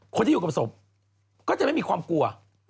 คนที่อยู่กับศพก็จะไม่มีความกลัว